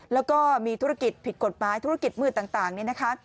แล้วก็มีธุรกิจผิดกฎหมายธุรกิจมืดต่างนี่นะคะ